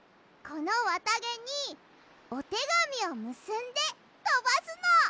このわたげにおてがみをむすんでとばすの！